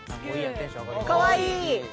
かわいい！